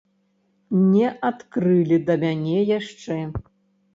Не адкрылі да мяне яшчэ.